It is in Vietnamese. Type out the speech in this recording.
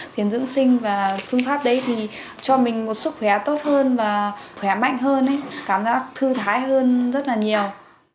thiền dưỡng sinh và phương pháp đấy thì cho mình một sức khỏe tốt hơn và khỏe mạnh hơn cảm giác thư thái hơn rất là nhiều